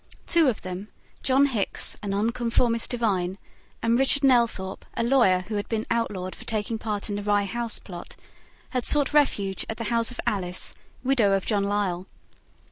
Two of them, John Hickes, a Nonconformist divine, and Richard Nelthorpe, a lawyer who had been outlawed for taking part in the Rye House plot, had sought refuge at the house of Alice, widow of John Lisle.